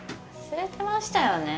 忘れてましたよね。